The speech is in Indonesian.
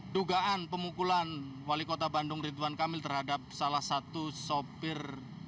dugaan pemukulan wali kota bandung ridwan kamil terhadap salah satu sopir